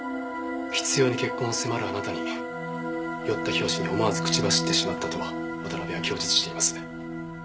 執拗に結婚を迫るあなたに酔った拍子で思わず口走ってしまったと渡辺は供述しています。